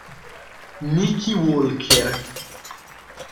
Nicky Walker